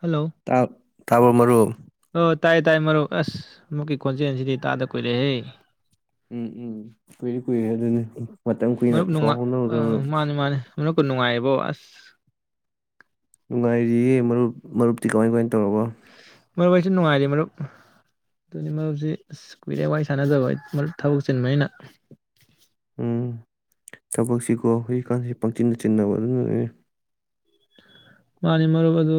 Hello ꯇꯥꯕ ꯃꯔꯨꯞ ꯑꯣ ꯇꯥꯏ ꯇꯥꯏ ꯃꯔꯨꯞ ꯑꯁ ꯃꯨꯛꯀꯤ ꯈꯣꯟꯖꯦꯜꯁꯤꯗꯤ ꯇꯥꯗ ꯀꯨꯏꯔꯦꯍꯦ ꯎꯝ ꯎꯝ ꯀꯨꯏꯔꯦ ꯀꯨꯏꯔꯦ ꯑꯗꯨꯅꯤ ꯃꯇꯝ ꯀꯨꯏꯅ ꯃꯔꯨꯞ ꯅꯨꯡꯉꯥꯏ ꯄꯥꯎꯐꯥꯎꯅꯔꯨꯗ꯭ꯔꯕꯅ ꯃꯥꯅꯦ ꯃꯥꯅꯦ ꯃꯔꯨꯞꯀ ꯅꯨꯡꯉꯥꯏꯔꯤꯕꯣ ꯑꯁ ꯅꯨꯡꯉꯥꯏꯔꯤꯌꯦ ꯃꯔꯨꯞ ꯃꯔꯨꯞꯇꯤ ꯀꯃꯥꯏ ꯀꯃꯥꯏꯅ ꯇꯧꯔꯒ ꯃꯔꯨꯞ ꯑꯩꯁꯨ ꯅꯨꯡꯉꯥꯏꯔꯤ ꯃꯔꯨꯞ ꯑꯗꯨꯗꯤ ꯃꯔꯨꯞꯁꯤ ꯑꯁ ꯀꯨꯏꯔꯦ ꯋꯥꯔꯤꯏ ꯁꯥꯟꯅꯗꯕ ꯑꯩ ꯃꯔꯨꯞ ꯊꯕꯛ ꯆꯤꯟꯕꯅꯤꯅ ꯎꯝ ꯊꯕꯛꯁꯤꯀꯣ ꯍꯧꯖꯤꯛꯀꯥꯟꯁꯤ ꯄꯪꯆꯤꯟꯅ ꯆꯤꯟꯅꯕ ꯑꯗꯨꯅ ꯃꯥꯅꯤ ꯃꯔꯨꯞ ꯑꯗꯨ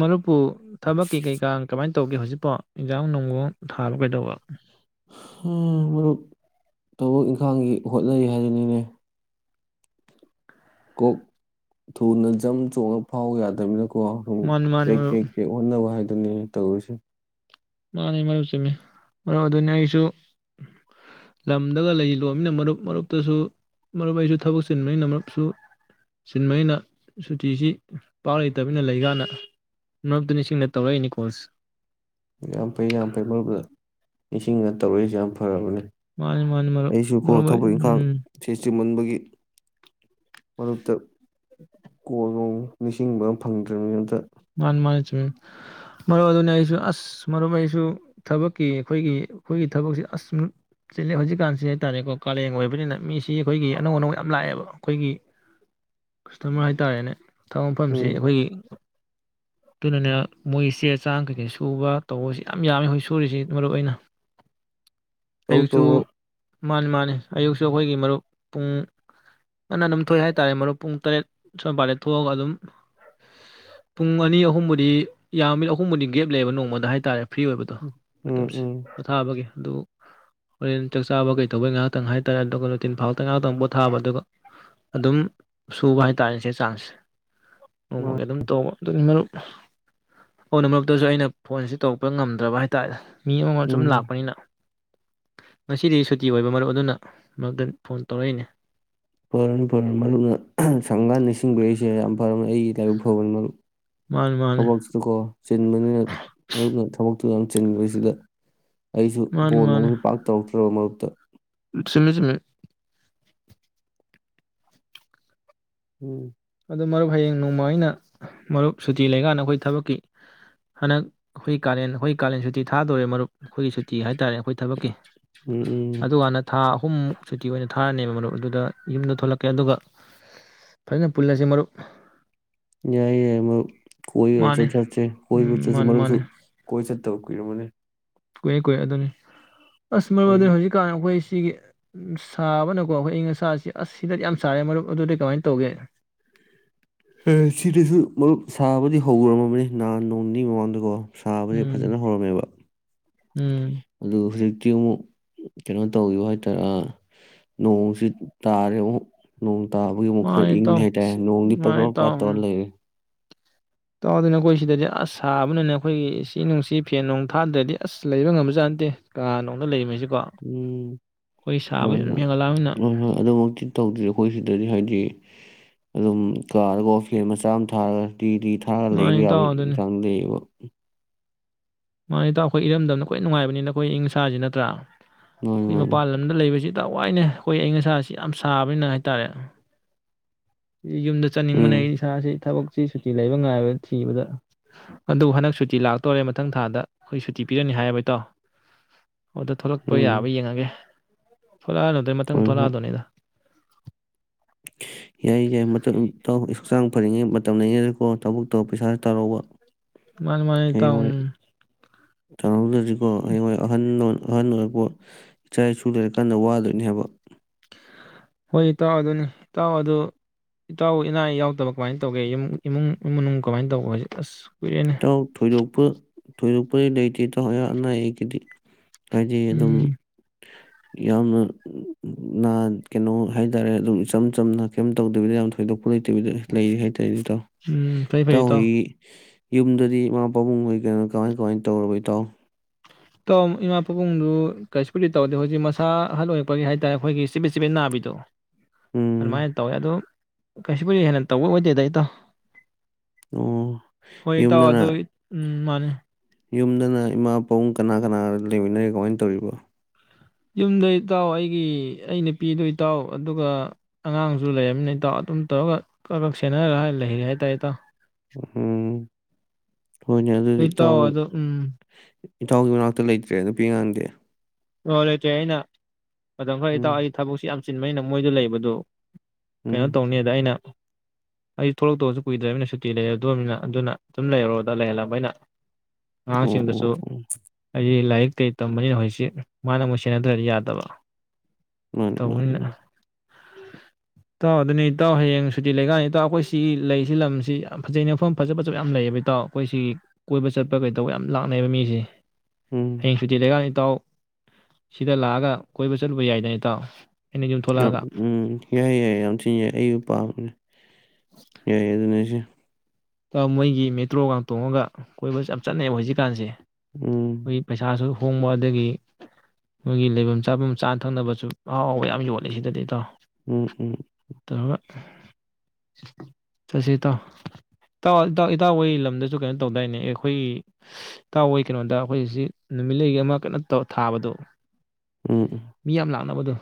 ꯃꯔꯨꯞꯄꯨ ꯊꯕꯛꯀꯤ ꯀꯩꯀꯥ ꯀꯃꯥꯏꯅ ꯇꯧꯒꯦ ꯍꯧꯖꯤꯛꯄꯣ ꯏꯟꯖꯥꯝ ꯅꯨꯡꯖꯨ ꯊꯥꯕ ꯀꯩꯗꯧꯕ ꯃꯔꯨꯞ ꯊꯕꯛ ꯏꯪꯈꯥꯡꯒꯤ ꯍꯣꯠꯅꯩ ꯍꯥꯏꯗꯨꯅꯤꯅꯦ ꯀꯣꯛ ꯊꯨꯅ ꯖꯝ ꯆꯣꯡꯂꯛ ꯐꯥꯎ ꯌꯥꯗꯕꯅꯤꯅ ꯃꯥꯅꯤ ꯃꯥꯅꯤ ꯃꯔꯨꯞ ꯇꯦꯛ ꯑꯣꯅ ꯋꯥ [unintelligible] ꯑꯗꯨꯅꯤ ꯇꯧꯔꯤꯁꯦ꯫ ꯃꯥꯅꯤ ꯃꯔꯨꯞ ꯆꯨꯝꯃꯤ ꯃꯔꯨꯞ ꯑꯗꯨꯅꯤ ꯑꯩꯁꯨ ꯂꯝꯗꯒ ꯂꯩ ꯂꯣꯃꯤꯅ ꯃꯔꯨꯞ ꯃꯔꯨꯞꯇꯁꯨ ꯃꯔꯨꯞ ꯑꯩꯁꯨ ꯊꯕꯛ ꯆꯤꯟꯕꯅꯤꯅ ꯃꯔꯨꯞꯁꯨ ꯆꯤꯟꯕꯅꯤꯅ ꯁꯨꯇꯤꯁꯤ ꯄꯥꯛ ꯂꯩꯇꯕꯅꯤꯅ ꯂꯩꯀꯥꯟꯅ ꯃꯔꯨꯞꯇ ꯅꯤꯡꯁꯤꯡꯅ ꯇꯧꯔꯛꯏꯅꯤ ꯀꯣꯜꯁꯦ꯫ ꯌꯥꯝ ꯐꯩ ꯌꯥꯝ ꯐꯩ ꯃꯔꯨꯞꯅ ꯅꯤꯡꯁꯤꯡꯉ ꯇꯧꯔꯛꯏꯁꯦ ꯌꯥꯝ ꯐꯔꯕꯅꯤ꯫ ꯃꯥꯅꯤ ꯃꯥꯅꯤ ꯃꯔꯨꯞ ꯑꯩ ꯎꯝ ꯆꯤꯃꯟꯕꯒꯤ ꯃꯔꯨꯞꯇ ꯀꯣꯜꯅꯨꯡ ꯅꯤꯡꯁꯤꯡꯕ ꯑꯃ ꯐꯪꯗꯔꯥꯅꯤꯝꯅꯦ ꯃꯔꯨꯞ ꯃꯥꯅꯤ ꯃꯥꯅꯤ ꯆꯨꯝ ꯃꯔꯨꯞ ꯑꯗꯨꯅ ꯑꯩꯁꯨ ꯑꯁ ꯃꯔꯨꯞ ꯑꯩꯁꯨ ꯊꯕꯛꯀꯤ ꯑꯩꯈꯣꯏꯒꯤ ꯑꯩꯈꯣꯏꯒꯤ ꯊꯕꯛꯁꯤ ꯑꯁꯨ ꯆꯤꯂꯦ ꯍꯧꯖꯤꯛꯀꯥꯟꯁꯦ ꯍꯥꯏ ꯇꯥꯔꯦꯀꯣ ꯀꯥꯂꯦꯟ ꯑꯣꯏꯕꯅꯤꯅ ꯃꯤꯁꯤ ꯁꯤ ꯑꯩꯈꯣꯏꯒꯤ ꯑꯅꯧ ꯑꯅꯧ ꯌꯥꯝ ꯂꯥꯛꯑꯦꯕ ꯑꯩꯈꯣꯏꯒꯤ ꯀꯁꯇꯃꯔ ꯍꯥꯏꯇꯥꯔꯦꯅꯦ ꯊꯕꯛ ꯃꯐꯝꯁꯤ ꯎꯝ ꯑꯩꯈꯣꯏꯒꯤ ꯑꯗꯨꯅꯅꯦ ꯃꯣꯏ ꯆꯦ ꯆꯥꯡ ꯀꯩꯀꯩ ꯁꯨꯕ ꯇꯧꯕꯁꯤ ꯌꯥꯝ ꯌꯥꯝꯃꯦ ꯍꯧꯖꯤꯛ ꯁꯨꯔꯤꯁꯤ ꯃꯔꯨꯞ ꯑꯩꯅ ꯇꯧ ꯇꯧ ꯑꯌꯨꯛꯁꯨ ꯃꯔꯨꯞ ꯃꯥꯅꯤ ꯃꯥꯅꯤ ꯑꯌꯨꯛꯁꯨ ꯑꯩꯈꯣꯏꯒꯤ ꯃꯔꯨꯞ ꯄꯨꯡ ꯉꯟꯅ ꯑꯗꯨꯝ ꯊꯣꯛꯑꯦ ꯍꯥꯏꯇꯥꯔꯦ ꯃꯔꯨꯞ ꯄꯨꯡ ꯇꯔꯦꯠ ꯁꯋꯥꯏꯄꯗꯩ ꯊꯣꯛꯑꯒ ꯑꯗꯨꯝ ꯄꯨꯡ ꯑꯅꯤ ꯑꯍꯨꯝꯕꯨꯗꯤ ꯌꯥꯝ ꯃꯤ ꯑꯍꯨꯝꯕꯨꯗꯤ ꯒꯦꯞ ꯂꯩꯑꯦꯕ ꯅꯣꯡꯃꯗ ꯍꯥꯏꯇꯥꯔꯦ ꯐ꯭ꯔꯤ ꯑꯣꯏꯕꯗꯣ ꯎꯝ ꯃꯇꯝꯁꯦ ꯎꯝ ꯄꯣꯊꯥꯕꯒꯤ ꯑꯗꯨ ꯍꯣꯔꯦꯟ ꯆꯥꯛ ꯆꯥꯕ ꯀꯩ ꯇꯧꯕꯩ ꯉꯥꯏꯍꯥꯛꯇꯪ ꯍꯥꯏ ꯇꯔꯦ ꯑꯗꯨꯒ ꯅꯨꯡꯇꯤꯟ ꯐꯥꯎꯇ ꯉꯥꯏꯍꯥꯛꯇꯪ ꯄꯣꯊꯥꯕ ꯑꯗꯨꯒ ꯑꯗꯨꯝ ꯁꯨꯕ ꯍꯥꯏꯇꯥꯥꯔꯦ ꯆꯦ ꯆꯥꯡꯁꯦ꯫ ꯃꯥ ꯅꯣꯡꯃꯒꯤ ꯑꯗꯨꯝ ꯇꯧꯕ ꯑꯗꯨ ꯃꯔꯨꯞ ꯀꯣꯟꯅ ꯃꯔꯨꯞꯇꯁꯨ ꯑꯩꯅ ꯐꯣꯟꯁꯤ ꯇꯧꯔꯛꯄ ꯉꯝꯗ꯭ꯔꯕ ꯍꯥꯏꯇꯥꯔꯦ ꯃꯤ ꯑꯃꯃꯝ ꯁꯨꯝ ꯎꯝ ꯂꯥꯛꯄꯅꯤꯅ ꯉꯁꯤꯗꯤ ꯁꯨꯇꯤ ꯑꯣꯏꯕ ꯃꯔꯨꯞ ꯑꯗꯨꯅ ꯅꯪꯗ ꯐꯣꯟ ꯇꯧꯔꯛꯏꯅꯦ꯫ ꯐꯔꯅꯤ ꯐꯔꯅꯤ ꯃꯔꯨꯞꯅ ꯁꯪꯀꯥꯟ ꯅꯤꯡꯁꯤꯡꯕꯛꯏꯁꯦ ꯌꯥꯝ ꯐꯔꯅꯤ ꯑꯩꯒꯤ ꯂꯥꯏꯕꯛ ꯐꯕꯅꯤ ꯃꯔꯨꯞ꯫ ꯃꯥꯅꯤ ꯃꯥꯅꯤ ꯊꯕꯛꯁꯤꯀꯣ ꯆꯤꯟꯕꯅꯤꯅ ꯃꯔꯨꯞꯅ ꯊꯕꯛ ꯌꯥꯝ ꯆꯤꯟꯕꯁꯤꯗ ꯑꯩꯁꯨ ꯃꯥꯅꯤ ꯕꯣꯜ ꯅꯨꯡꯃꯗꯤ ꯄꯥꯛ ꯇꯧꯗꯦ꯫ [unintelligible] ꯆꯨꯝꯃꯦ ꯆꯨꯝꯃꯦ꯫ ꯎꯝ꯫ ꯑꯗꯨꯗꯣ ꯃꯔꯨꯞ ꯍꯌꯦꯡ ꯅꯣꯡꯃ ꯑꯩꯅ ꯃꯔꯨꯞ ꯁꯨꯇꯤ ꯂꯩꯀꯥꯟꯗ ꯑꯩꯈꯣꯏ ꯊꯕꯛꯀꯤ ꯍꯟꯗꯛ ꯑꯩꯈꯣꯏ ꯀꯥꯂꯦꯟ ꯑꯩꯈꯣꯏ ꯀꯥꯂꯦꯟ ꯁꯨꯇꯤ ꯊꯥꯗꯣꯔꯦ ꯃꯔꯨꯞ ꯑꯩꯈꯣꯏꯒꯤ ꯁꯨꯇꯤ ꯍꯥꯏꯇꯥꯔꯦ ꯑꯩꯈꯣꯏ ꯊꯕꯛꯀꯤ ꯎꯝ ꯎꯝ ꯑꯗꯨꯀꯥꯟꯗ ꯊꯥ ꯑꯍꯨꯃꯨꯛ ꯁꯨꯇꯤ ꯑꯣꯏꯅ ꯊꯥꯔꯅꯦꯕ ꯃꯔꯨꯞ ꯑꯗꯨꯗ ꯌꯨꯝꯗ ꯊꯣꯛꯂꯛꯀꯦ ꯑꯗꯨꯒ ꯐꯖꯅ ꯄꯨꯜꯂꯁꯦ ꯃꯔꯨꯞ꯫ ꯌꯥꯏ ꯌꯥꯏ ꯃꯔꯨꯞ꯫ ꯀꯣꯏꯕꯒ ꯃꯥꯅꯦ ꯈꯔ ꯆꯠꯁꯦ ꯀꯣꯕ ꯎꯝ ꯆꯠꯁꯦ ꯃꯥꯅꯦ ꯃꯔꯨꯞꯁꯨ ꯃꯥꯅꯦ ꯀꯣꯏ ꯆꯠ ꯇꯧ ꯀꯨꯏꯔꯝꯃꯅꯤ ꯀꯨꯏꯔꯦ ꯀꯨꯏꯔꯦ ꯑꯗꯨꯅꯤ ꯑꯁ ꯃꯔꯝ ꯑꯩꯈꯣꯏꯒꯤ ꯑꯗꯨꯅ ꯍꯧꯖꯤꯛꯀꯥꯟ ꯑꯩꯈꯣꯏ ꯁꯤꯒꯤ ꯁꯥꯕꯅꯀꯣ ꯑꯩꯈꯣꯏ ꯑꯌꯤꯡ ꯑꯁꯥꯁꯤ ꯑꯁ ꯁꯤꯗꯗꯤ ꯌꯥꯝ ꯁꯥꯔꯦ ꯃꯔꯨꯞ ꯑꯗꯨꯗꯤ ꯀꯃꯥꯏꯅ ꯇꯧꯒꯦ꯫ ꯑꯦ ꯁꯤꯗꯁꯨ ꯃꯔꯨꯞ ꯁꯥꯕꯗꯤ ꯍꯧꯔꯝꯃꯕꯅꯤ ꯅꯍꯥꯟ ꯅꯣꯡꯅꯤꯒꯤ ꯃꯃꯥꯡꯗꯀꯣ ꯁꯥꯕꯁꯦ ꯎꯝ ꯐꯖꯅ ꯍꯧꯔꯝꯃꯦꯕ꯫ ꯎꯝ꯫ ꯑꯗꯨ ꯍꯧꯖꯤꯛꯇꯤ ꯑꯃꯨꯛ ꯀꯩꯅꯣ ꯇꯧꯈꯤꯕꯨ ꯍꯥꯏꯇꯥꯔꯦ ꯅꯣꯡꯁꯤ ꯇꯥꯔꯦ ꯑꯃꯨꯛ ꯅꯣꯡ ꯄꯇꯥꯕꯒꯤ ꯑꯃꯨꯛ ꯃꯥꯅꯦ ꯈꯔ ꯏꯪꯉꯦ ꯏꯇꯥꯎ ꯍꯥꯏꯇꯥꯔꯦ ꯑꯁ ꯅꯣꯡꯗꯤ ꯄꯥ ꯄ ꯇꯧꯔ ꯂꯩꯔꯦ꯫ ꯇꯥꯎꯗꯅ ꯑꯩꯈꯣꯏ ꯁꯤꯗꯗꯤ ꯑꯁ ꯁꯥꯕꯅꯤꯅ ꯑꯩꯈꯣꯏꯒꯤ ꯏꯁꯤꯡ ꯅꯨꯡꯁꯤ ꯐꯦꯟ ꯅꯨꯡ ꯊꯥꯗ꯭ꯔꯗꯤ ꯑꯁ ꯂꯩꯕ ꯉꯝꯕꯖꯥꯠꯅꯠꯇꯦ ꯀꯥ ꯅꯨꯡꯗ ꯂꯩꯕꯁꯤ꯫ ꯎꯝ ꯍꯣꯏ ꯑꯗꯨꯝ ꯍꯣꯏ ꯍꯦꯟꯒꯠꯂꯛꯑꯕꯅꯤꯅ ꯍꯣꯏ ꯍꯣꯏ ꯑꯗꯨꯃꯛꯇꯤ ꯇꯧꯗ꯭ꯔꯤ ꯑꯩꯈꯣꯏ ꯁꯤꯗꯗꯤ ꯍꯥꯏꯗꯤ ꯑꯗꯨꯝ ꯀꯥꯔꯒꯣ ꯐꯦꯟ ꯃꯆꯥ ꯑꯃ ꯊꯥꯔꯒ ꯔꯤꯔꯤ ꯊꯥꯔꯒ ꯂꯩꯕ ꯃꯥꯅꯤ ꯌꯥꯕ ꯏꯇꯥꯎ ꯏꯟ ꯑꯗꯨꯅꯤ ꯆꯥꯡ ꯂꯩꯌꯦꯕ꯫ [inaudible] ꯃꯥꯅꯤ ꯏꯇꯥꯎ ꯑꯩꯈꯣꯏ ꯏꯔꯝꯗꯝꯅꯈꯣꯏ ꯅꯨꯡꯉꯥꯏꯕꯅꯤꯅ ꯑꯩꯈꯣꯏ ꯏꯪꯥꯁꯤ ꯅꯠꯇ꯭ꯔꯥ꯫ ꯃꯥꯅꯤ ꯑꯩꯈꯣꯏ ꯃꯥꯅꯤ ꯃꯄꯥꯟ ꯂꯝꯗ ꯂꯩꯕꯁꯤ ꯌꯥꯝ ꯋꯥꯏꯅꯦ ꯑꯩꯈꯣꯏ ꯑꯏꯪ ꯑꯁꯥꯁꯤ ꯌꯥꯝ ꯁꯥꯕꯅꯤꯅ ꯍꯥꯏꯇꯥꯔꯦ꯫ ꯌꯨꯝꯗ ꯆꯠꯅꯤꯡꯕꯅꯦ ꯎꯝ ꯑꯩ ꯏꯁꯦ ꯊꯕꯛ ꯁꯤ ꯁꯨꯇꯤ ꯂꯩꯕ ꯉꯥꯏꯕ ꯊꯤꯕꯗ ꯑꯗꯨꯕꯨ ꯍꯟꯗꯛ ꯁꯨꯇꯤ ꯂꯥꯛꯇꯣꯔꯦ꯫ ꯃꯊꯪ ꯊꯥꯗ ꯑꯩꯈꯣꯏ ꯁꯨꯇꯤ ꯄꯤꯔꯅꯤ ꯍꯥꯏ ꯑꯦꯕ ꯏꯇꯥꯎ꯫ ꯑꯗꯣ ꯊꯣꯛꯂꯛꯄ ꯌꯥꯕ ꯎꯝ ꯌꯦꯡꯉꯒꯦ ꯊꯣꯛꯂꯛꯑꯅꯗꯩ ꯃꯊꯪ ꯍꯣꯏ ꯍꯣꯏ ꯊꯣꯛꯂꯛ ꯑꯗꯣꯏꯅꯤꯗ꯫ ꯌꯥꯏ ꯌꯥꯏ ꯏꯁꯥꯡ ꯐꯔꯤꯉꯩ ꯇꯧꯅ ꯔꯤꯉꯩꯗꯀꯣ ꯊꯕꯛꯇꯧ ꯄꯩꯁꯥꯁꯨ ꯇꯥꯜꯍꯩꯕ꯫ ꯃꯥꯅꯤ ꯃꯥꯅꯤ ꯏꯇꯥꯎ [unintelligible] ꯍꯧꯖꯤꯛꯀꯣ ꯑꯩ ꯍꯣꯏ ꯑꯍꯟ ꯅꯣꯟ ꯑꯍꯟ ꯑꯣꯏꯔꯛꯄ ꯏꯆꯥ ꯏꯁꯨ ꯂꯩꯔ ꯀꯥꯟꯗ ꯋꯥꯗꯣꯏꯅꯦ ꯍꯥꯏꯕ ꯍꯣꯏ ꯏꯇꯥꯎ ꯑꯗꯨꯅꯤ ꯏꯇꯥꯎ ꯑꯗꯨ ꯏꯇꯥꯎ ꯏꯅꯥ ꯌꯥꯎꯗꯕ ꯀꯃꯥꯏꯅ ꯇꯧꯒꯦ ꯏꯃꯨꯡ ꯏꯃ ꯃꯅꯨꯡ ꯀꯃꯥꯏꯅ ꯇꯧꯕ ꯍꯧꯖꯤꯛ ꯑꯁ ꯀꯨꯏꯔꯦꯅꯦ ꯏꯇꯥꯎ ꯊꯣꯏꯗꯣꯛꯄ ꯊꯣꯏꯗꯣꯛꯄꯗꯤ ꯂꯩꯇꯦ ꯏꯇꯥꯎ ꯑꯅꯥ ꯑꯌꯦꯛꯒꯤꯗꯤ ꯍꯥꯏꯗꯤ ꯑꯗꯨꯝ ꯎꯝ ꯌꯥꯝꯅ ꯀꯩꯅꯣ ꯍꯥꯏꯇꯥꯔꯦ ꯑꯗꯨꯝ ꯏꯆꯝ ꯆꯝꯅ ꯀꯩꯝ ꯇꯧꯗꯕꯤꯗ ꯌꯥꯝ ꯊꯣꯏꯗꯣꯛꯄ ꯂꯩꯇꯕꯤꯗ ꯂꯩꯔꯤ ꯍꯥꯏꯇꯥꯔꯦ ꯏꯇꯥꯎ ꯎꯝ ꯐꯩ ꯐꯩ ꯏꯇꯥꯎ ꯍꯣꯏꯒꯤ ꯌꯨꯝꯗꯗꯤ ꯏꯃꯥ ꯄꯥꯕꯨꯡ ꯈꯣꯏꯗꯤ ꯀꯃꯥꯏ ꯀꯃꯥꯏꯅ ꯇꯧꯔꯕ ꯏꯇꯥꯎ ꯏꯇꯥꯎ ꯏꯃꯥ ꯄꯥꯕꯨꯡꯗꯨ ꯀꯩꯁꯨꯄꯨꯗꯤ ꯇꯧꯗꯦ ꯍꯧꯖꯤꯛ ꯃꯁꯥ ꯑꯍꯜ ꯑꯣꯏꯔꯛꯄꯒꯤ ꯍꯥꯏꯇꯥꯔꯦ ꯃꯁꯥ ꯆꯤꯄꯦꯠ ꯆꯤꯄꯦꯠ ꯅꯥꯕꯤꯗꯣ ꯎꯝ ꯑꯗꯨꯃꯥꯏꯅ ꯇꯧꯋꯦ ꯑꯗꯨ ꯀꯩꯁꯨ ꯄꯨꯗꯤ ꯍꯦꯟꯅ ꯇꯧꯕ ꯑꯣꯏꯗꯦꯗ ꯏꯇꯥꯎ ꯑꯣ ꯍꯣꯏ ꯏꯇꯥꯎ ꯑꯗꯨ ꯌꯨꯝꯗꯅ ꯎꯝ ꯃꯥꯅꯤ ꯌꯨꯝꯗꯅ ꯏꯃꯥ ꯄꯕꯨꯡ ꯀꯅꯥ ꯀꯅꯥ ꯂꯩꯃꯤꯟꯅꯔꯤꯒꯦꯀꯃꯥꯏꯅ ꯇꯧꯔꯤꯕ ꯌꯨꯝꯗ ꯏꯇꯥꯎ ꯑꯩꯒꯤ ꯑꯩ ꯅꯨꯄꯤꯗꯨ ꯏꯇꯥꯎ ꯑꯗꯨꯒ ꯑꯉꯥꯡꯁꯨ ꯂꯩꯔꯕꯅꯤꯅ ꯏꯇꯥꯎ ꯑꯗꯨꯝ ꯀꯛꯀꯛ ꯁꯦꯟꯅꯔꯒ ꯂꯩꯔꯦ ꯍꯥꯏꯇꯥꯔꯦ ꯏꯇꯥꯎ ꯎꯝ ꯍꯣꯏꯅꯦ ꯑꯗꯨꯗꯤ ꯍꯣꯏ ꯏꯇꯥꯎ ꯏꯇꯥꯎꯒꯤ ꯑꯗꯣ ꯎꯝ ꯏꯇꯥꯎꯒꯤ ꯃꯅꯥꯛꯇ ꯂꯩꯇ꯭ꯔꯦ ꯅꯨꯄꯤ ꯑꯉꯥꯡꯗꯦ ꯍꯣ ꯂꯩꯇꯦ ꯑꯩꯅ ꯑꯗꯣ ꯐꯔꯦ ꯎꯝ ꯇꯥꯎ ꯑꯩ ꯊꯕꯛꯁꯤ ꯌꯥꯝ ꯆꯤꯟ ꯃꯩꯅ ꯃꯣꯏꯗ ꯂꯩꯕꯗꯣ ꯎꯝ ꯀꯩꯅꯣ ꯇꯧꯅꯤꯗ ꯑꯩꯅ ꯑꯩ ꯊꯣꯛꯂꯛꯇꯧꯁꯨ ꯀꯨꯏꯗ꯭ꯔꯅꯤꯅ ꯁꯨꯇꯤ ꯂꯩꯔꯗꯣꯅꯤꯅ ꯑꯗꯨꯅ ꯑꯗꯨꯝ ꯂꯩꯔꯨꯗ ꯂꯩꯍꯜꯂꯕ ꯑꯩꯅ ꯑ ꯑꯣ ꯑꯣ ꯁꯤꯡꯗꯨꯁꯨ ꯑꯩ ꯂꯥꯏꯔꯤꯛ ꯇꯦ ꯇꯝꯕꯅꯤꯅ ꯍꯧꯖꯤꯛꯁꯤ ꯃꯥꯅ ꯑꯃꯨꯛ ꯁꯦꯟꯅꯗ꯭ꯔꯗꯤ ꯌꯥꯗꯕ ꯃꯥꯅꯤ ꯃꯥꯅꯤ ꯇꯧꯕꯅꯤꯅ ꯃꯥꯅꯤ ꯇꯥꯎ ꯑꯗꯨꯅꯤ ꯏꯇꯥꯎ ꯍꯌꯦꯡ ꯁꯨꯇꯤ ꯂꯩꯀꯥꯟꯗ ꯏꯇꯥꯎ ꯑꯩꯈꯣꯏ ꯁꯤꯒꯤ ꯂꯩꯁꯤ ꯂꯝꯁꯤ ꯌꯥꯝ ꯐꯖꯩꯅꯦ ꯃꯐꯝ ꯐꯖ ꯐꯖꯕ ꯌꯥꯝ ꯂꯩꯌꯦꯕ ꯏꯇꯥꯎ ꯑꯩꯈꯣꯏ ꯁꯤꯒꯤ ꯀꯣꯏꯕ ꯆꯠꯄ ꯀꯩꯗꯧꯕ ꯌꯥꯝ ꯂꯥꯛꯅꯩꯕ ꯃꯤꯁꯤ ꯎꯝ ꯍꯌꯦꯡ ꯁꯨꯇꯤ ꯂꯩꯀ ꯇꯥꯎ ꯁꯤꯗ ꯂꯥꯛꯑꯒ ꯀꯣꯏꯕ ꯆꯠꯂꯨꯕ ꯌꯥꯏꯗ ꯏꯇꯥꯎ ꯑꯩꯅ ꯌꯨꯝ ꯌꯝ ꯊꯣꯛꯂꯛꯑꯒ ꯎꯝ ꯌꯥꯏ ꯌꯥꯏ ꯌꯥꯝ ꯊꯤꯅ ꯌꯥꯏ ꯑꯩꯅ ꯄꯥꯝꯅꯦ ꯌꯥꯏ ꯑꯗꯨꯅꯦ ꯍꯥꯏꯁꯦ ꯃꯣꯏꯒꯤ ꯃꯦꯇ꯭ꯔꯣꯒ ꯇꯣꯡꯉꯒ ꯀꯣꯏꯕ ꯌꯥꯝ ꯆꯠꯅꯩꯑꯦ ꯍꯧꯖꯤꯛꯀꯥꯟꯁꯦ ꯎꯝ ꯍꯣꯌꯦ ꯄꯩꯁꯥꯁꯨ ꯍꯣꯡꯋꯗꯒꯤ ꯃꯣꯏꯒꯤ ꯂꯩꯐꯝ ꯆꯥꯐꯝ ꯆꯥ ꯊꯛꯅꯕꯁꯨ ꯑꯍꯥꯎ ꯍꯥꯎꯕ ꯌꯥꯝ ꯌꯣꯜꯂꯦ ꯁꯤꯗꯗꯤ ꯏ ꯇꯥꯎꯣ ꯎꯝ ꯎꯝ ꯆꯠꯁꯦ ꯏꯇꯥꯎ ꯏꯇꯥꯎ ꯇꯥꯎ ꯏꯇꯥꯎ ꯋꯣꯏ ꯂꯝꯗꯁꯨ ꯀꯩꯅꯣ ꯇꯧꯗꯥꯏꯅꯦ ꯑꯦ ꯑꯩꯈꯣꯏꯒꯤ ꯏꯇꯥꯎꯋꯣꯏ ꯀꯩꯅꯣꯗ ꯑꯩꯈꯣꯏꯁꯤ ꯅꯨꯃꯤꯠꯂꯩꯒꯤ ꯑꯃ ꯀꯠꯅ ꯇꯧ ꯊꯥꯕꯗꯣ ꯃꯤ ꯌꯥꯝ ꯂꯥꯛꯅꯕꯗꯨ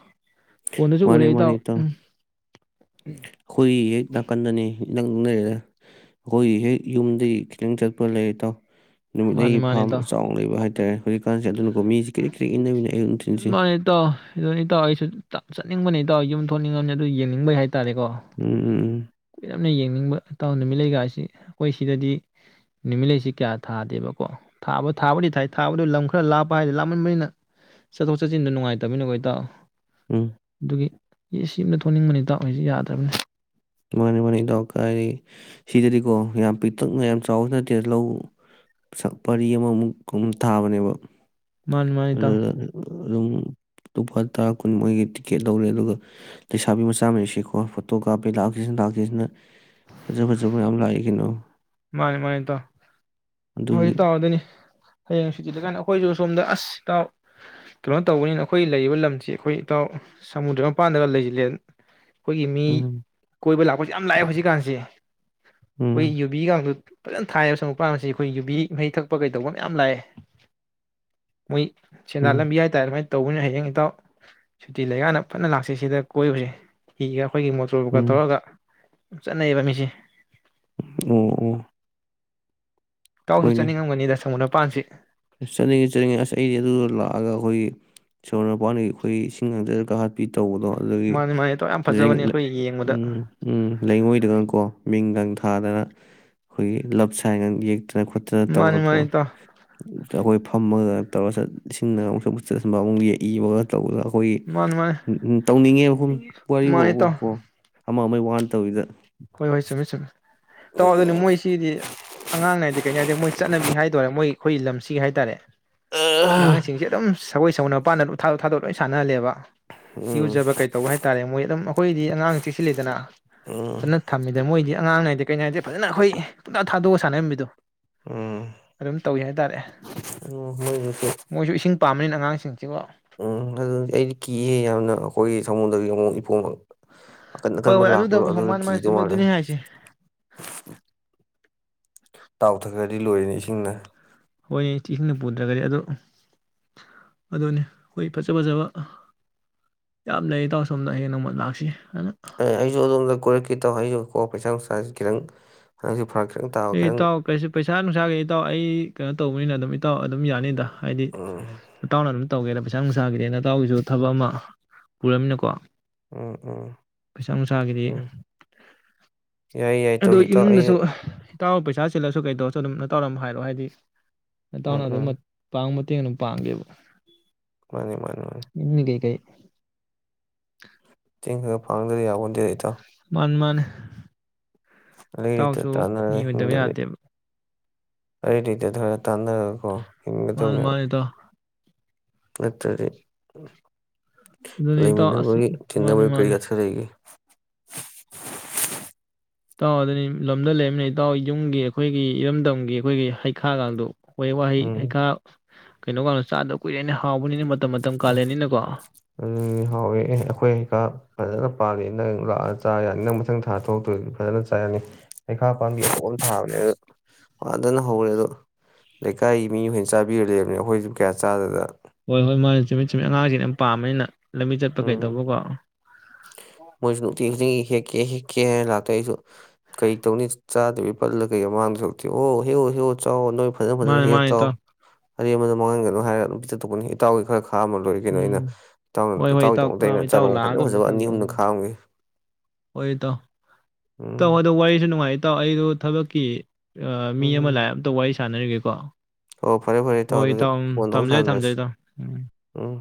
ꯃꯥꯅꯤ ꯃꯥꯅꯤ ꯏ ꯇꯥꯎ ꯑꯈꯣꯏꯌꯦ ꯅ ꯀꯟꯗꯅꯤ ꯅꯪ ꯂꯩꯔ ꯑꯈꯣꯏꯒꯤ ꯍꯦꯛ ꯌꯨꯝꯗꯒꯤ ꯈꯤꯇꯪ ꯆꯠꯄ ꯂꯩꯔꯦ ꯇꯥꯎ ꯅꯨꯃꯤꯠ ꯃꯥꯅꯤ ꯂꯩꯒꯤ ꯃꯥꯅꯤ ꯐꯥꯃ ꯏꯇꯥꯎ ꯆꯥꯎꯅ ꯂꯩꯕ ꯍꯥꯏꯇꯥꯔꯦ ꯍꯧꯖꯤꯛꯀꯥꯟꯁꯦ ꯑꯗꯨ ꯑꯣꯃꯤ ꯀ꯭ ꯔꯤ ꯀ꯭ ꯔꯤ ꯏꯟꯅꯕꯅꯤ ꯑꯌꯨ ꯅꯨꯊꯤꯜꯁꯤ ꯃꯥꯅꯤ ꯏꯇꯥꯎ ꯑꯗꯨꯅꯤ ꯏꯇꯥꯎ ꯑꯩꯁꯨ ꯆꯠꯅꯤꯡꯕꯅꯤꯇꯥꯎ ꯌꯨꯝ ꯊꯣꯛꯅꯤꯡꯉꯝꯅꯤ ꯑꯗꯨ ꯌꯦꯡꯅꯤꯡꯕꯩ ꯍꯥꯏ ꯎꯝ ꯎꯝ ꯎꯝ ꯐꯖꯅ ꯌꯦꯡꯅꯤꯡꯕ ꯏꯇꯥꯎ ꯅꯨꯃꯤꯠ ꯂꯩꯩꯒꯥꯁꯤ ꯑꯩꯈꯣꯏ ꯁꯤꯗꯗꯤ ꯅꯨꯃꯤꯠꯂꯩꯁꯤ ꯀꯌꯥ ꯊꯥꯗꯦꯕꯀꯣ ꯊꯥꯕ ꯊꯥꯕꯨꯗꯤ ꯊꯥꯏ ꯊꯥꯕꯗꯣ ꯂꯝ ꯈꯔ ꯂꯥꯞꯄ ꯍꯥꯏꯗꯤ ꯂꯥꯞꯃꯟꯕꯅꯤꯅ ꯆꯠꯊꯣꯛ ꯆꯠꯁꯤꯟꯗ ꯅꯨꯡꯉꯥꯏꯇꯅꯤꯀꯣ ꯏꯇꯥꯎ ꯎꯝ ꯎꯝ ꯗꯨꯒꯤ ꯌꯦ ꯁꯤꯅ ꯊꯣꯡꯅꯤꯡꯕꯅꯤ ꯏꯇꯥꯎ ꯍꯧꯖꯤꯛ ꯌꯥꯗ꯭ꯔꯕꯅꯤ꯫ ꯃꯥꯅꯤ ꯃꯥꯅꯤ ꯏꯇꯥꯎ ꯀꯗꯤꯒꯤ ꯁꯤꯗꯗꯤꯀꯣ ꯌꯥꯝ ꯄꯤꯛꯇꯛꯅ ꯌꯥꯝ ꯆꯥꯎꯕ ꯅꯠꯇꯦ ꯂꯧ ꯁ ꯄꯔꯤ ꯑꯃꯃꯨꯛ ꯀꯨꯝ ꯊꯥꯕꯅꯦꯕ꯫ ꯃꯥꯅꯤ ꯃꯥꯅꯤ ꯏꯇꯥꯎ ꯑꯗꯨꯗ ꯑꯗꯨꯝ ꯇꯨꯄꯠ ꯇꯔꯥ ꯀꯨꯟ ꯃꯣꯏꯒꯤ ꯇꯤꯛꯀꯦꯠ ꯂꯧꯔꯦ ꯑꯗꯨꯒ ꯂꯩꯁꯥꯕꯤ ꯃꯆꯥ ꯃꯔꯤꯁꯤꯀꯣ ꯐꯣꯇꯣ ꯀꯥꯞꯄꯤ ꯂꯥꯛꯀꯁꯤꯅ ꯂꯥꯛꯀꯁꯤꯅ ꯐꯖ ꯐꯖꯕ ꯃꯌꯥꯝ ꯂꯥꯛꯏ ꯀꯩꯅꯣ꯫ ꯃꯥꯅꯤ ꯃꯥꯅꯤ ꯏꯇꯥꯎ ꯍꯧꯏ ꯑꯗꯨꯒꯤ ꯏꯇꯥꯎ ꯑꯗꯨꯏꯅꯤ꯫ ꯍꯌꯦꯡ ꯁꯨꯇꯤ ꯂꯩ ꯀꯥꯏꯅ ꯑꯩꯈꯣꯏꯁꯨ ꯁꯣꯝꯗ ꯑꯁ ꯏꯇꯥꯎ ꯀꯩꯅꯣ ꯇꯧꯕꯅꯤꯅ ꯑꯩꯈꯣꯏ ꯂꯩꯔꯤꯕ ꯂꯝꯁꯤ ꯑꯩꯈꯣꯏ ꯏꯇꯥꯎ ꯁꯃꯨꯗ꯭ꯔ ꯃꯄꯥꯟꯗꯒ ꯂꯩꯁꯤꯜꯂꯦ꯫ ꯑꯩꯈꯣꯏꯒꯤ ꯃꯤ ꯎꯝ ꯀꯣꯏꯕ ꯂꯥꯛꯄ ꯌꯥꯝ ꯂꯥꯛꯑꯦ ꯍꯧꯖꯤꯛꯀꯥꯟꯁꯦ ꯎꯝ ꯁꯪ ꯐꯖꯅ ꯊꯥꯏꯌꯦꯕ ꯑꯣꯔꯣꯛ ꯃꯄꯥꯜꯒꯁꯦ ꯑꯩꯈꯣꯏ ꯌꯨꯕꯤ ꯃꯍꯤ ꯊꯛꯄ ꯀꯩꯗꯧꯕ ꯃꯌꯥꯝ ꯂꯥꯛꯑꯦ ꯃꯣꯏ ꯁꯦꯟꯗꯥ ꯎꯝ ꯂꯝꯕꯤ ꯍꯥꯏꯇꯥꯔꯦ ꯑꯗꯨꯃꯥꯏꯅ ꯇꯧꯕꯅꯤꯅ ꯏꯇꯥꯎ ꯁꯨꯇꯤ ꯂꯩꯒꯥꯟꯗ ꯐꯖꯅ ꯂꯥꯛꯁꯦ ꯁꯤꯗ ꯀꯣꯏꯕꯁꯦ ꯍꯤꯒ ꯑꯩꯈꯣꯏꯒꯤ ꯃꯣꯇꯣꯔꯕꯣꯠ ꯎꯝ ꯀꯥꯇꯧꯔꯒ ꯆꯠꯅꯩꯌꯦꯕ ꯃꯤꯁꯦ ꯑꯣ ꯑꯣ ꯏꯇꯥꯎꯁꯨ ꯍꯣꯏꯅꯦ ꯆꯠꯅꯤꯡꯉꯝꯒꯅꯤꯗ ꯁꯃꯨꯗ꯭ꯔ ꯃꯄꯥꯟꯁꯤ ꯆꯠꯅꯤꯡꯉꯤ ꯆꯠꯅꯤꯡꯉꯦ ꯑꯩꯗꯤ ꯑꯗꯨ ꯂꯥꯛꯑꯒ ꯑꯩꯈꯣꯏꯒꯤ ꯁꯣꯔ ꯃꯄꯥꯟꯗꯒꯤ ꯑꯩꯈꯣꯏ ꯏꯁꯤꯡ ꯉꯥꯡꯖꯔꯒ ꯍꯥꯠꯄꯤ ꯇꯧꯕꯗꯣ ꯑꯗꯨꯗꯒꯤ ꯃꯥꯅꯤ ꯃꯥꯅꯤ ꯏꯇꯥꯎ ꯌꯥꯝ ꯐꯖꯕꯅꯤ ꯑꯩꯈꯣꯏ ꯌꯦꯡꯕꯗ ꯎꯝ ꯎꯝ ꯂꯩꯉꯣꯏꯗꯒꯀꯣ ꯃꯤꯡꯗꯪ ꯊꯥꯗꯅ ꯑꯩꯈꯣꯏꯒꯤ ꯂꯞ ꯁꯟꯒ ꯌꯦꯛ ꯈꯅ ꯈꯣꯠꯇꯅ ꯃꯥꯅꯤ ꯇꯧꯔꯀꯣ ꯃꯥꯅꯤ ꯑꯗꯣ ꯏꯇꯥꯎ ꯑꯩꯈꯣꯏ ꯐꯝꯃꯒ ꯇꯧꯔ ꯏꯁꯤꯡꯅꯒ ꯑꯃꯨꯛꯁꯨ ꯑꯃꯠ ꯆꯠꯟꯕ ꯑꯃꯨꯛ ꯌꯦꯛ ꯏꯕꯒ ꯇꯧꯕꯗꯒ ꯑꯩꯈꯣꯏ ꯃꯥꯅꯤ ꯃꯥꯅꯤ ꯎ ꯎ ꯇꯧꯅꯤꯡꯉꯦ ꯃꯐꯝ ꯋꯥꯔꯤ ꯃꯥꯅꯤ ꯏꯇꯥꯎ ꯐꯥꯎꯣ ꯑꯃ ꯑꯃ ꯋꯥ ꯅꯩꯇꯕꯤꯗ ꯍꯣꯏ ꯍꯣꯏ ꯆꯨꯝꯃꯦ ꯆꯨꯝꯃꯦ ꯏꯇꯥꯎ ꯑꯗꯨꯅꯤ ꯃꯣꯏꯁꯤꯗꯤ ꯑꯉꯥꯡꯅꯥꯏꯗꯦ ꯀꯩꯩꯅꯣ ꯍꯥꯏꯗꯤ ꯃꯣꯏ ꯆꯠꯅꯕꯤ ꯍꯥꯏꯗꯣꯏꯔ ꯃꯣꯏ ꯑꯩꯈꯣꯏ ꯂꯝꯁꯤ ꯍꯥꯏ ꯇꯥꯔꯦ ꯎꯝ ꯑꯉꯥꯡꯁꯤꯡꯁꯦ ꯑꯗꯨꯝ ꯑꯈꯣꯏ ꯁꯝꯃꯨꯗꯔ ꯃꯥꯟꯗꯠꯥꯗꯣꯛ ꯊꯥꯣꯛ ꯂꯣꯏ ꯁꯥꯟꯅꯍꯂꯦꯕ ꯎꯝ ꯏꯔꯨꯖꯕ ꯀꯩ ꯇꯧꯕ ꯍꯥꯏꯇꯥꯔꯦ ꯃꯣꯏ ꯑꯗꯨꯝ ꯑꯩꯈꯣꯏꯗꯤ ꯑꯉꯥꯡ ꯆꯦꯛꯁꯤ ꯂꯩꯗꯅ ꯐꯖꯅ ꯊꯝꯃꯤꯗ ꯃꯣꯏꯗꯤ ꯑꯉꯥꯡꯅꯏꯦ ꯀꯩꯅꯣ ꯍꯥꯏꯗꯦ ꯐꯖꯅ ꯑꯩꯈꯣꯏ ꯄꯨꯨꯡꯇꯥ ꯊꯥꯗꯣꯛꯑꯒ ꯁꯥꯟꯅꯔꯝꯃꯤꯗꯣ ꯎꯝ ꯑꯗꯨꯝ ꯇꯧꯏ ꯍꯥꯏꯇꯥꯔꯦ ꯎꯝ ꯃꯣꯏꯗꯨꯁꯨ ꯃꯣꯏꯁꯨ ꯏꯁꯤꯡ ꯄꯥꯝꯕꯅꯤꯅ ꯑꯉꯥꯡꯁꯤꯡ ꯎꯝ ꯑꯗꯨꯗꯤ ꯑꯩꯗꯤ ꯀꯤꯍꯦ ꯌꯥꯝꯅ ꯑꯩꯈꯣꯏꯒꯤ ꯑꯗꯨꯒꯤ ꯑꯃꯨꯛ ꯏꯄꯣꯝ ꯑꯀꯟ ꯍꯣꯏ ꯑꯀꯟꯕ ꯍꯣꯏ ꯑꯗꯨꯗꯕꯨ ꯂꯥꯛꯄꯗꯣ ꯍ ꯑꯗꯨꯗ ꯃꯥꯅ ꯃꯥꯅ ꯀꯤꯗꯧ ꯆꯨꯝꯃꯦ ꯃꯥꯜꯂꯦ ꯑꯗꯨꯅꯤ ꯍꯥꯏꯁꯦ ꯇꯥꯎꯊꯛꯈ꯭ꯔꯗꯤ ꯂꯣꯏꯔꯅꯤ ꯏꯁꯤꯡꯅ ꯑꯩꯈꯣꯏꯅꯤ ꯏꯇꯤꯁꯤꯡꯅ ꯄꯨꯗ꯭ꯔꯒꯗꯤ ꯑꯗꯨ ꯑꯗꯨꯅꯤ ꯑꯩꯈꯣꯏ ꯐꯖ ꯐꯖꯕ ꯌꯥꯝ ꯂꯩ ꯇꯧꯔ ꯁꯣꯝꯗ ꯍꯌꯦꯡ ꯅꯣꯡꯃ ꯂꯥꯛꯁꯤ ꯑꯗꯨꯅ ꯑ ꯑꯩꯁꯨ ꯑꯗꯨꯝꯅ ꯍꯣ ꯏꯇꯥꯎ ꯄꯩꯁꯥ ꯅꯨꯡꯁꯥ ꯈꯤꯗꯪ ꯑꯩꯁꯦ ꯏ ꯏꯇꯥꯎ ꯀꯩꯁꯨ ꯄꯩꯁꯥ ꯅꯨꯡꯁꯥꯒꯤ ꯏꯇꯥꯎ ꯑꯩ ꯀꯩꯅꯣ ꯇꯧꯕꯅꯤꯅ ꯑꯗꯨꯝ ꯏꯇꯥꯎ ꯑꯗꯨꯝ ꯌꯥꯅꯤꯗ ꯍꯥꯏꯗꯤ ꯎꯝ ꯏꯇꯥꯎꯅ ꯑꯗꯨꯝ ꯇꯧꯦꯅ ꯄꯩꯁꯥꯅꯨꯡꯁꯥꯈꯤꯗꯅ ꯏꯆꯥꯎꯒꯤꯁꯨ ꯊꯕꯛ ꯑꯃ ꯄꯨꯔꯝꯃꯤꯅꯀꯣ ꯎꯝ ꯎꯝ ꯎꯝ ꯌꯥ ꯑꯗꯨ ꯏꯃꯨꯡꯗꯁꯨ ꯏꯇꯥꯎ ꯄꯩꯁꯥ ꯆꯤꯜꯂꯁꯨ ꯀꯩꯗꯧꯔꯁꯨ ꯑꯗꯨꯝ ꯅꯇꯥꯎꯗ ꯑꯗꯨꯝ ꯍꯥꯏꯔꯛꯑꯣ ꯍꯥꯏꯗꯤ ꯎꯝ ꯅꯇꯥꯎꯅ ꯎꯝ ꯑꯗꯨꯃꯛ꯫ [unintelligible] ꯃꯇꯦꯡ ꯑꯗꯨꯝ ꯄꯥꯡꯒꯦꯕ ꯃꯥꯅꯤ ꯃꯥꯅꯤ ꯏꯃꯨꯡꯒꯤ [unintelligible] [inaudible] [unintelligible] [unintelligible] ꯌꯥꯄꯣꯇꯦ ꯏꯇꯥꯎ꯫ ꯃꯅꯤ ꯃꯅꯤ꯫ ꯑꯔꯩ ꯂꯩꯇ ꯏꯇꯥꯎꯁꯨ ꯃꯤ ꯑꯣꯏꯗꯕ ꯌꯥꯗꯦꯕ [unintelligible] ꯔꯔ ꯇꯥꯥꯟꯅꯔꯀꯣ? ꯃꯥ ꯃꯥꯅꯤ ꯏꯇꯥꯎ꯫ ꯅꯠꯇ꯭ꯔꯗꯤ ꯑꯗꯨꯅꯤ ꯏꯇꯥꯎ ꯑꯁ ꯂꯩꯃꯤꯟꯅꯕꯒꯤ ꯃꯥꯅꯤ ꯇꯤꯟꯅꯕꯒꯤ ꯀꯔꯤ ꯃꯥꯅꯤ ꯑꯔꯊ ꯂꯩꯒꯦ ꯏꯇꯥꯎ ꯑꯗꯨꯗꯤ ꯂꯝꯗ ꯂꯩꯔꯃꯤꯅꯤ ꯏꯇꯥꯎ ꯌꯨꯝꯒꯤ ꯑꯩꯈꯣꯏꯒꯤ ꯏꯔꯝꯗꯝꯒꯤ ꯑꯩꯈꯣꯏꯒꯤ ꯍꯩꯈꯥꯒꯗꯨꯣ ꯍꯣꯏ ꯋꯥꯍꯩ ꯍꯩꯈꯥ꯫ ꯀꯩꯅꯣꯒꯗꯣ ꯆꯥꯗ ꯎꯝ ꯍꯥꯎꯋꯦ ꯑꯩꯈꯣꯏ ꯍꯩꯈꯥ ꯐꯖꯅ ꯄꯥꯜꯂꯦ ꯅꯪ ꯂꯥꯛꯑ ꯆꯥ ꯌꯥꯅꯤ ꯅꯪ ꯃꯊꯪ ꯊꯥ ꯊꯣꯛꯛꯇꯣꯏꯗꯤ ꯐꯖꯅ ꯆꯥ ꯌꯥꯅꯤ ꯍꯩꯈꯥ ꯄꯥꯝꯕꯤ ꯐꯕꯅꯦ ꯑꯗꯨ ꯐꯗꯅ ꯍꯧꯔꯦ ꯑꯗꯣ ꯂꯩꯀꯥꯏꯒꯤ ꯃꯤ ꯍꯣꯏꯅ ꯆꯥꯕꯤꯔ ꯂꯩꯕꯅꯦ ꯑꯩꯈꯣꯏꯁꯨ ꯀꯌꯥ ꯆꯥꯗꯗꯅ ꯍꯣꯏ ꯍꯣꯏ ꯃꯥ ꯆꯨꯝꯃꯤꯠ ꯆꯨꯝꯃꯤꯠ ꯑꯉꯥꯡꯁꯤꯅꯦ ꯌꯥꯝ ꯄꯥꯝꯕꯩꯅ ꯂꯝꯕꯤ ꯆꯠꯄ ꯀꯩ ꯇꯧꯕ ꯎꯝ ꯀꯣ ꯃꯣꯏꯁꯨ ꯅꯨꯡꯇꯤꯒꯤ ꯍꯦꯛꯀꯦ ꯍꯦꯛꯀꯦ ꯍꯥꯏꯅ ꯂꯥꯛꯇ ꯑꯩꯁꯨ ꯀꯩ ꯇꯧꯅꯤ ꯆꯥꯗꯕꯤ ꯄꯠꯂ ꯀꯩꯗ ꯃꯥꯡꯗꯧ ꯁꯔꯨꯛꯇꯤ ꯑꯣ ꯍꯦꯛꯎ ꯍꯦꯛꯎ ꯆꯥꯎꯑꯣ ꯅꯣꯢ ꯐꯖꯟ ꯐꯖꯟꯅ ꯃꯥꯅꯦ ꯍꯦꯛꯑ ꯃꯥꯅꯦ ꯆꯥꯎ ꯏꯇꯥꯎ ꯑꯔꯦꯝꯕꯗ ꯃꯥꯡꯍꯟꯒꯅꯨ ꯍꯥꯏꯔꯒ ꯑꯗꯨꯝ ꯄꯤ ꯖꯊꯣꯛꯀꯅꯤ ꯏꯇꯥꯎꯒꯤ ꯈꯔ ꯈꯥꯛ ꯈꯥ ꯑꯝꯃ ꯂꯣꯏꯔꯤ ꯀꯩꯅꯣ ꯑꯩꯅ ꯎꯝ ꯍꯣꯏ ꯍꯣꯏ ꯏꯇꯥꯎ ꯏꯇꯥꯎꯒꯤꯗꯃꯛꯇ ꯑ ꯑꯩꯅ ꯏꯇꯥꯎ ꯆꯥꯔꯣꯡ ꯐꯖ ꯂꯥꯛꯑꯗꯧꯅꯤ ꯐꯖꯕ ꯑꯅꯤ ꯃꯊꯪꯗ ꯑꯍꯨꯝꯒ ꯎꯝ ꯈ ꯍꯣꯏ ꯏꯇꯥꯎ ꯏꯇꯥꯎ ꯎꯝ ꯑꯗꯨ ꯋꯥꯁꯨ ꯅꯨꯡꯉꯥꯏ ꯔꯤ ꯏꯇꯥꯎ ꯑꯩꯗꯣ ꯊꯕꯛꯀꯤ ꯃꯤ ꯑꯃ ꯂꯥꯛꯑꯦ ꯑꯝꯇ ꯋꯥꯔꯤꯁ ꯁꯥꯟꯅꯔꯤꯒꯦꯀꯣ ꯍꯣꯏ ꯐꯔꯦ ꯐꯔꯦ ꯏꯇꯥꯎ ꯍꯣꯏ ꯑꯗꯨꯗꯤ ꯎꯝ ꯐꯣꯟꯗ ꯑꯃꯨꯛ ꯊꯝꯖꯔꯦ ꯁꯥꯟꯅꯔꯁꯤ ꯊꯝꯖꯔꯦ ꯏꯇꯥꯎ ꯎꯝ ꯎꯝ